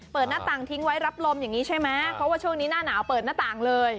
หน้าต่างทิ้งไว้รับลมอย่างนี้ใช่ไหมเพราะว่าช่วงนี้หน้าหนาวเปิดหน้าต่างเลย